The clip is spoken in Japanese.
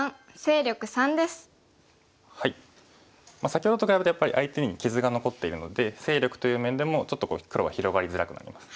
先ほどと比べてやっぱり相手に傷が残っているので勢力という面でもちょっと黒は広がりづらくなります。